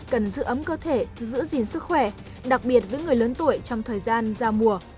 cần giữ ấm cơ thể giữ gìn sức khỏe đặc biệt với người lớn tuổi trong thời gian giao mùa